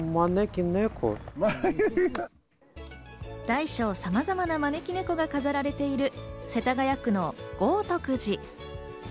大小さまざまな招き猫が飾られている世田谷区の豪徳寺。